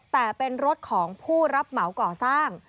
แต่เป็นรถของผู้รับเหมาก่อสร้าง